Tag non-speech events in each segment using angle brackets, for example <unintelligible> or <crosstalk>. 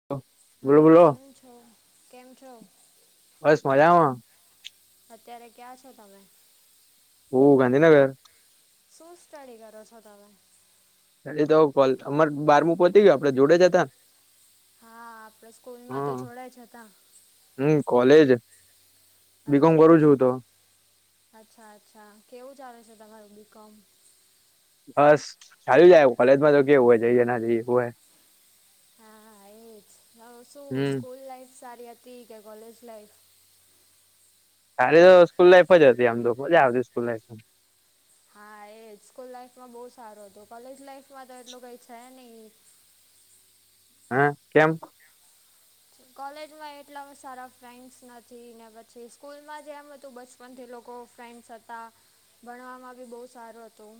<unintelligible> હા બોલો કેમ છો કેમ છો. બસ મજામાં. અત્યારે ક્યાં છો તમે. હું ગાંધીનગર. શું સ્ટડી કરો છો તમે. એ તો કોલ અમાર બારમું પતી ગયું આપડે જોડે જ હતા. હા આપડે સ્કૂલમાં તો હા જોડે જ હતા. હમ કોલેજ. બીકોમ અચ્છા કરું અછ છું તો અચ્છા અચ્છા કેવું ચાલે છે તમારું બીકોમ. બસ સારું જાય કોલેજમાં તો કેવું હોય જઈએ ના જઈએ હોંએ. હા એજ હવે શું હમ સ્કૂલ લાઈફ સારી હતી કે કોલેજ લાઈફ. સારું તો સ્કૂલ લાઈફ જ હતી આમ તો મજા આવતી સ્કૂલ લાઈફ. હા એ જ સ્કૂલ લાઈફમાં બહુ સારું હતું કોલેજ લાઈફમાં તો એટલું કઈ છે નહીં. હા કેમ. કોલેજમાં એટલા સારા ફ્રેન્ડસ નથી ને પછી સ્કૂલમાં જેમ હતું બસ. પણ તે લોકો ફ્રેન્ડસ હતા ભણવામાં બી બહુ સારું હતું.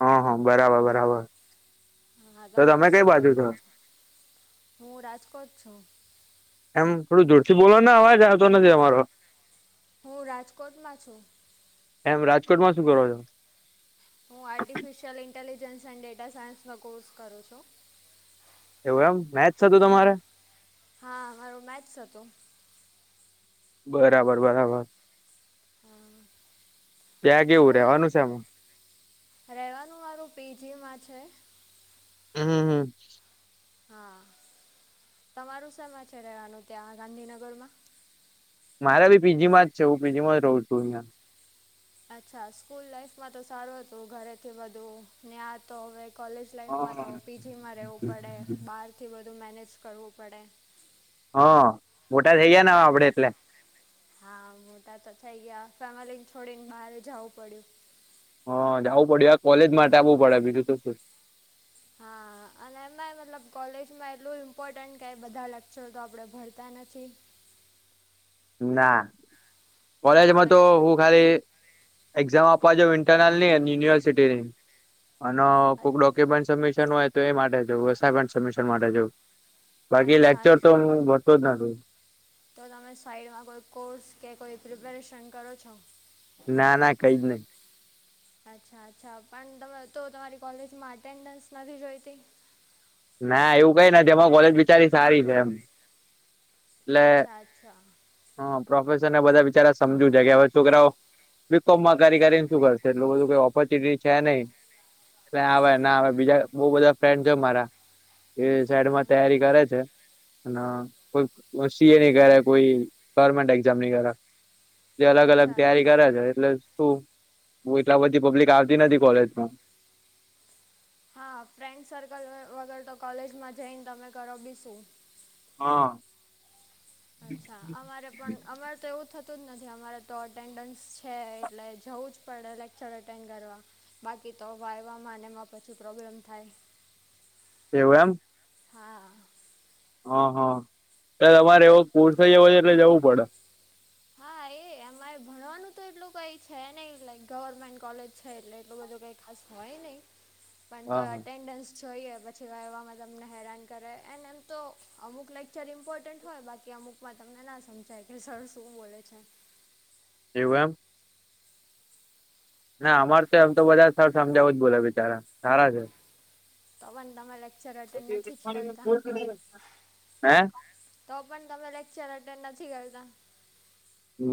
હા હા બરાબર બરાબર. હા તો તમે તમારું કઈ શું બાજુ છો કેવું છે હું રાજકોટ છું. એમ થોડું જોૂર થી બોલો ને અવાજ આવતો નથી તમારો હું રાજકોટમાં છું. એમ રાજકોટમાં શું કરો છો? હું આર્ટિફિશિયલ ઇન્ટેલિજન્સ એન્ડ ડેટા સાયન્સનો કોર્સ કરું છું. એવું એમ મેથસ હતું હા તમારે હા મારો મેથસ હતો. બરાબર બરાબર અમ, ત્યાં કેવું સ્કૂલ રેવાનું છે એમાં રહેવાનું મારું પિજીમાં છે. હમ હમ હા તમારું શેમાં છે ત્યાં રહેવાનું ગાંધીનગરમાં મારે બી પીજીમાં જ છે હું પીજી માં જ રહું છું અહીંયા અચ્છા સ્કૂલ લાાઈફમાં તો સારું હતું ઘરેથી બધું ન્યા તો હવે કોલેજ લાઈફમાં તો હા. પીજીમાં રહેવું પડે બહારથી વધધું મેનેજ કરવું પડે હ મોટા થઈ ગયા ને અવે આપડે એટલે હા મોટા તો થઈ ગયા ફેમલીને છોડીને બહાર જવું પડ્યું હ જવું પડ્યું આ કોલેજ માટે આવવું પડે બીજું તું શું હા અને એમાં મતલબ કોલેજમાં એટલું ઇમ્પોર્ટન્ટ કે બધા લગતા લેક્ચર તો આપણે ભરતા નથી ના અમુક કોલેજમાં તો લેક્ચર હું ખાલી એક્ઝામ આપવાજ ઇન્ટરનલ ની અને યુનિવર્સિટી ની અને અ કોઈક ડોક્યુમેન્ટ સબમિશન હોય તો એ માટે જવું અસાઇમેન્ટ સબમિશન માટે જવું બાકી અચ્છા લેક્ચર તો હું અચ્છા ભરતો જ નથી તો તમે સાઈડમાં કોઈ કોર્સ કે કોઈ પ્રિપરેશન કરો છો ના ના કઈ જ નથી અચ્છા અચ્છા પણ તમે તો તમારી કોલેજમાં અટેન્ડન્સ નથી જોઈતી ના એવું કઈ નથી અમારી કોલેજ બિચારી સારી છે એમ અચ્છા અચ્છા હા પ્રોફેસર ને બધા બિચારા સમજુ જ કે હવે છોકરાઓ બીકોમમાં કરી કરીને શું કરશે એટલું બધુ કોઈ ઓપોર્ચ્યુનિટી છે નહીં કોઈ આવે ના આવે બીજા બહુ બધા ફ્રેન્ડ છે મારા એ હા સાઈડમાં તૈયારી કરે છે અને કોઈ સી એ ની કરે કોઈ ગવર્મેન્ટ એક્ઝામની કરે એટલે અલગ અલગ અચ્છા તૈયારી અચ્છા કરે છે એટલે શું <inaudible> બધી પબ્લિક આવતી નથી કોલેજમાં હા ફ્રેન્ડ સર્કલ વગર તો કોલેજમાં જઈને તમે કરો બી શું હા અચ્છા અમારે પણ અમારે તો એવું થતું જ નથી અમારે તો અટેન્ડન્સ છે એટલે જવું જ પડે લેક્ચર અટેન્ડ કરવા બાકી તો વાઈવામાં ને એમાં પછી પ્રોબ્લેમ થાય એવું એમ હા હા હા એટલે તમારે એવો સ્કૂલ જવો છે એટલે જવું પડે હા એ અમારે ભણવાનું તો એટલું કઈ છે નને લક ગવર્મેન્ટ કોલેજ છે એટલે એટલું બધું કઈ ખાસ હોય નહી પણ તો હા હા અટેન્ડન્સ જોઈએ પછી ગવામાં તમને હેરાન કરે એને એમ તો અમુક લેક્ચર ઇમ્પોર્ટન્ટ હોય બાકી અમુક અમુકમાં તમને ના સમજાય કે સર શું બોલે છે એવું એમ ના અમાર તો એમ તો બધા સર સમજાવું જ બોલો બિચારા સારા છે તો પણ તમે લેક્ચર અટેન્ડ નથી જ કરતા હે તો પણ તમે લેક્ચર અટેન્ડ નથી કરતા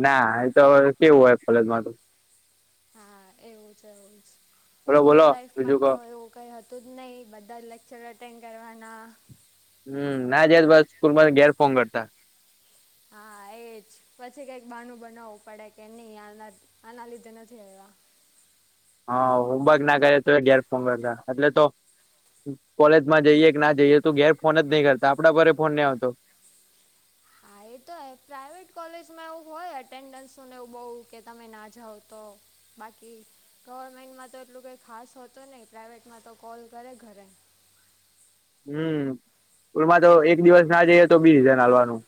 ના એ તો હવે કેવું હોય કોલેજમાંતો હા એવું જ એવું જ બોલો સ્કૂલ બોલો બીજું લાાઈફમાં કો તો એવું કઈ હતું જ નહી બધા લેક્ચર અટેન્ડ કરવાના હમ ના જાય બસ પાછા સ્કૂલ ઘેર ફોન કરતા હા એજ, પછી કઈક બાનું બનાવવું પડે કે નહી આના હા આના લદેના તો હવા. હા હુંબક ના કરે તો, ઘેર ફંગરતા એટલે તો કોલેજ માં જઈએ કે ના જઈએ, તું ઘેર ફોન જ નઈ કરતા આપણા ઘરે ફોન નહ આવતો. હા એ તો પ્રાઇવેટ કોલેજમાં એવું હોય એટેન્ડન્સું ને એવું બહુ કે તમે ના જાઓ તો. બાકી, ગવર્મેન્ટમાંતો એટલું કઈ ખાસ હોતું નહી પ્રાાઈવેટમાં તો કોલ કરે ઘરે. હમ, સ્કૂલમાં તો એક દિવસ ના જઈએ તો બી હજાર નાલવાનું.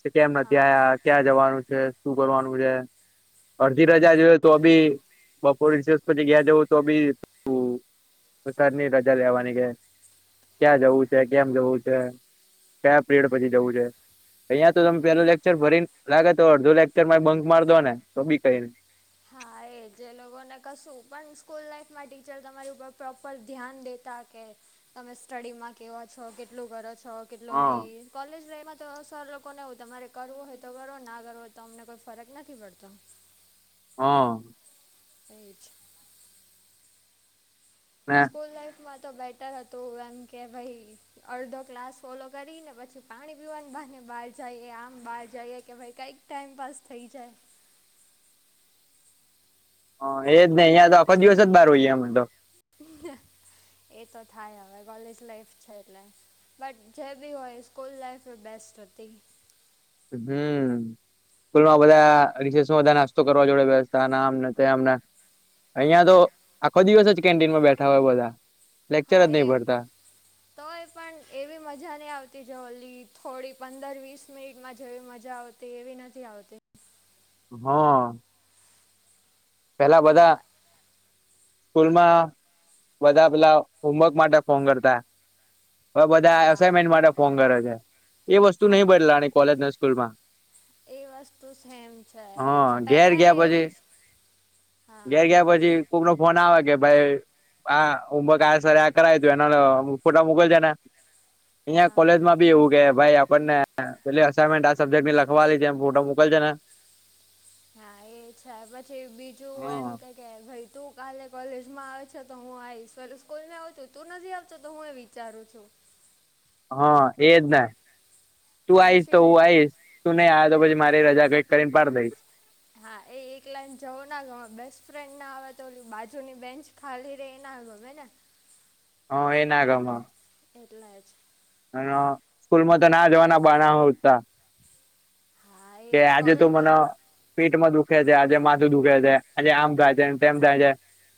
કે કેમ નથી હા આયા ક્યાં જવાનું છે શું કરવાનું છે? અડધી ર હજા જોએ તો અભી બપોરસ દિવસ પછી ગયા જવું તો બીરની રજા લેવાની ગયા. ક્યાં જવું છે, કેમ જવું છે કયા પીયડ પછી જવું છે? અહિયાં તો તમે પે હા લચર ભરીને લાગે તો અડધો લેકચર માં બંક માર દો ને તો બી કઈ નહીં. હા એ જે લોકોને કશું પણ સ્કૂલ લાઈફમાં ટીચર તમારી ઉપર પ્રોપર ધ્યાન દે તા કે તમે સ્ટડીમાં કેવા છો કેટલું કરો છો કેટલું હા નહીં. કોલેજ લમાં તો સર લોકો ને એવું તમારે કરવું હોય તો કરવો ના કરવો હોય તો અમને કોઈ ફરક નથી પડતો. હા. એ જ. હા. સ્કૂલ લાાઈફમાં તો બેટર હતું એમ કે ભાઈ. અડધો ક્લાસ ફોલો કરીને પછી, પાણી પીવાની બાહને બહાર જઈએ આમ બહાર જઈએ કે ભાઈ કંઈક ટાઈમપાસ થઈ જાય. હ એજ નહ અં તો આપ જ દિવસ જ બહાર હોઈએ અમને તો. એ તો થાય હવે કોલેજ લાઈફ છે એટલે. બટ જેબી હોય સ્કૂલ લાઈફમાં બેસ્ટ હોતી. હમ. સ્કૂલમાં બધા નાસ્તો કરવા જોડે વ્યવસ્ આમ ને તેમ. અહિયાં તો હા આખો દિવસ જ કેન્ટીનમાં બેઠા હોય, બધા લેક્ચર હા જ એ નહી પડતા. તોય પણ એવી મજા નહીં આવતી જલી થોડી પંદર વીસ મિનિટમાં જેવી મજા આવતી. તે એવી નથી આવતી. હા. પેલા બધા સ્કૂલમાં બધા પેલા હોમવર્ક માટે ફોન કરતા. હવે બધા હા એસાઈમેન્ટ માટે ફોન કરે છે, એ વસ્તુ હા નહ એ બદલાની. કોલેજ ના સ્કૂલમાં. એ વસ્તુ સેમ છે, હા ઘેર પેલા ગયા પછી એવું જ ઘેર હા ગયા પછી કોક નો ફોન આવે કે ભાઈ હા ઉક આ સર આ કરાવ તું એના ફોટા મોકલ છેને, અહિયાં હા કોલેજમાં બી એવું કે ભાઈ આપણને પેલી અમેન્ટ આ સબ્જેક્ટ લખવા છે એમ ફોટો મોકલ છે ને. હા એ છે પછી બીજું હમ એમ કઈ કે ભાઈ તું કાલે કોલેજ માં આવે છે, તો હું આવીશ સ્કૂલમાં આવ છું તું નથી આવતો તો હું વિચારું છું. હા એજ ના, તું આવીઈશ તો ફ્રેન્ડશિપ હું આવીઈશ. તું નહી આવે તો પછી મારી રજા કઈક કરીને પડી દઈશ. હા એ એક લાઈઇન જવો ના ગ બેસ્ટ ફ્રેન્ડ ના આવે તો બાજુની બેન્ચ ખાલીર એના હાલગમ હોઈને. હ એના ગમ... એટલા જ સ્કૂલ માં તો ના જવાના બાહના હોતા હા એ કે જ આજે તો કોલેજ મને પેટમાં દુખે છે આજે માથું દુખે છે આજે આમ થાય છે તેમ થાય છે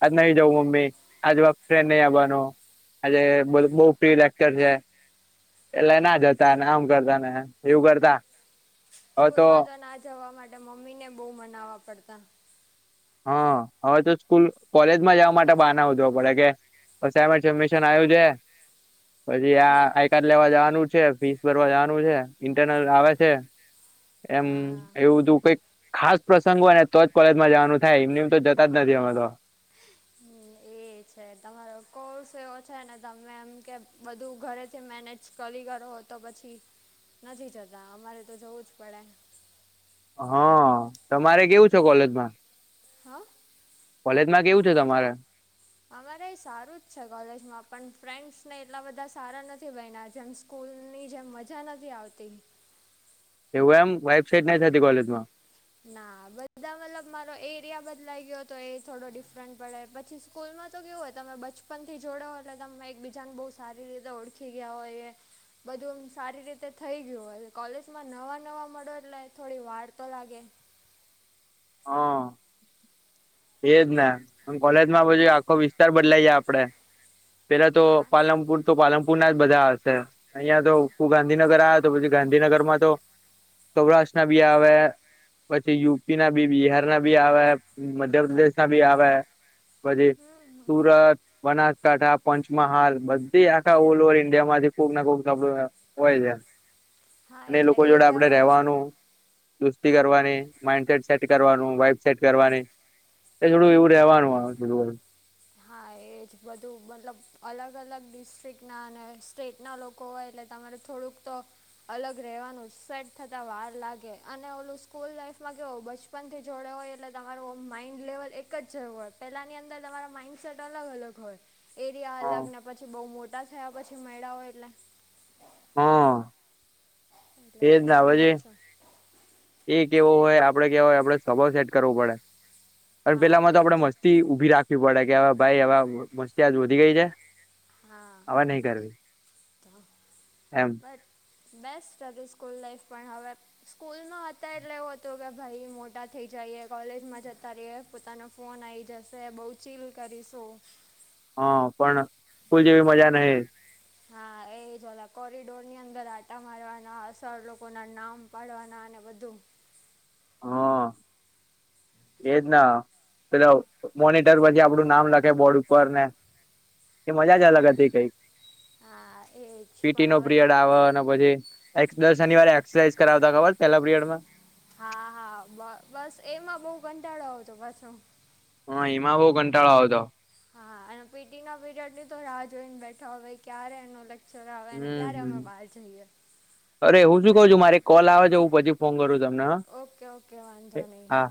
આજ નઈ જવુ મમ્મી આજ વા ફ્રેન્ડ નહી આવવાનો આજે બઉ બહુ પ્રિય એક્ટર છે એટલે હા ના જતા ને આમ કરતા ને એવું કરતા સ્કૂલમાં જ તો ન જવા માટે મમ્મીને બહુ મનાવવા પડતા હા હવે તો સ્કૂલ કોલેજમાં જવા માટે બહાના હોદવા પડે કે ે મિશન આવ્યું છે <inaudible> પછી છે આ આઈ કાર્ડ લેવા જવાનું છે ફીસ ભરવા જવાનું છે ઇન્ટરનલ આવે છે એમ્મ હા એવું બધું કઈક ખાસ પ્રસંગ હોય ને તો જ કોલેજમાં જવાનું હા એમને એમ તો જતા જ નથી અમાર તો હમ એ છે તમારો કોર્સ છે ને તમે એમ કે બધું ઘરેથી મેનેજ કરી કરો તો પછી, નથી જતા અમારે તો જવું જ પડે હા તમારે કેવું છે કોલેજમાં? હા કોલેજમાં કેવું છે તમારે? અમારે સારું જ છે કોલેજમાં પણ ફ્રેન્ડસ ને એટલા બધા સારા નથી બનને જેમ <unintelligible> સ્કૂલની જેમ મજા નથી આવતી એવું એમ વાઈબ સેટ ન થતી કોલેજમાં ના બધા મતલબ મારો એરિયા બદલાઈ ગયો તો એ થોડો ડિફરન્ટ પડે પછી સ સ્કૂલમાં તો કેવું હોય તમે બચપન થી જોડે એટલે તમે એકબીજાને બહુ સારી રીતે ઓળખી ગયા હોય એ બધું એમ સારી રીતે થઈ ગયું હવે કોલેજમાં નવા નવા મળો એટલે થોડી વાર તો લાગે હા એજ ને એમ કોલેજ માં બી આખો વિ ચાલ બદલાઈ જ આપડે પેલા તો હા પાલનપુર તો પાલનપુર ના જ બધા હશે અહિયા તો આખુ ગાંધીનગર આવે તો પછી ગાંધીનગરમાં તો સૌરાષ્ટ્ર ના બી આવે પછી યુપી ના બી બિહાર ના બી આવે રધર ના ભી આવા પછી હમ સુરત બનાસકાંઠા પંચમહાલ બધી આખા ઓલ ઓવર ઇન્ડિયા માંથી ખુક ના <unintelligible> હોય છે હા અને એટલે લોકો જોડે એરિયા આપડે વાઇઝ રેવાનું દુસ્તી કરવાની માઇન્ડસેટ સેટ કરવાનું વાઇબ સેટ કરવાની એ થોડું એવું રહેવાનું આવુ જો હા એજ બધું મતલબ અલગ અલગ ડિસ્ટ્રિક્ટના અને સ્ટેટના લોકો હોય એટલે તમારે થોડુંક તો અલગ રહેવાનું સેટ થતા વાર લાગે અને ઓલું સ્કૂલ લાઈફમાં કેવ બછ બચપનથી જોડે હોય એટલે તમારું માઈન્ડ લેવલ એક જ હોય પહેલાની અંદર તમારા માઈન્ડસેટ અલગ અલગ હોય એરિયા અલગ ને પછી બહુ મોટા થયા પછી માઈડા હોય એટલે હા એજ એટલે એ ના હવે વોન્ડો જે છે એ કેવો હોય આપડે કેવા હોય આપડે સ્વભાવ સેટ કરવો પડે અને હા પેહલા માં એ તો જ આપડે મસ્ત મસ્તી ઉભી રાખવી પડે કે હવે ભાઈ હવા મસ્તી આજ વધી ગઈ છે હા હવે નહી કરવી એમ બસ બેસ્ટ હતી સ્કૂલ લાાઈફ પણ હવે સ્કૂલમાં હતા એટલે એવું હતું કે ભાઈ મોટા થઈ જઈએ કોલેજમાં જતા રહીએ. પોતાનો ફોન આવી જશે બહુ ચીલ કરીશું. હા પણ, સ્કૂલ જેવી મજા નહ. હા એ જ કોરિડોર ની અંદર આટા મારવાના સરર લોકો ના નામ પાડવાના અને બધું. <inaudible> એજના. પેલો મોનીટર પછી આપડું નામ લખે બોર્ડ ઉપર ને. એ મજા જ અલગ હા હતી કઈક, હા એ જ પીટી પણ નો હવે તો પીરિયડ આવવાનો અને પછી. એક્સ દસ શનિવારે એક્સરસાઇઝ કરાવતા ખબર પેલા પીરિયડમાં. હા હા બ બસ એમાં બહુ કંટાળો આવતો પાછો. હા એમા બઉ કંટાળો આવતો. હા હા અને પીટીનો પીરિયડ લીધો રાહ જોઈને બેઠો હવે ક્યારે એનો લેક ચલો હવે એને હમ ક્યારે અમે હમ બહાર જઈએ. અરે હું શું કઉ છું મારે કોલ આવે છે હું પછી ફોન કરું તમ ઓકે ઓકે વાંધો નહી હા.